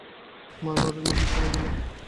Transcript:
মা ঘরের মধ্যে সরিয়া গেলেন।